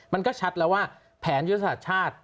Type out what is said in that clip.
มันก็ชัดแล้วว่าแผนยุทธศาสตร์ชาติ